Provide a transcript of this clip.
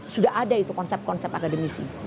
sudah ada itu konsep konsep akademisi